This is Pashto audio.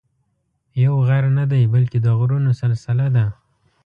یو غر نه دی بلکې د غرونو سلسله ده.